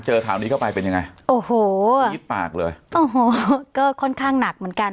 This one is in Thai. ข่าวนี้เข้าไปเป็นยังไงโอ้โหชีวิตปากเลยโอ้โหก็ค่อนข้างหนักเหมือนกัน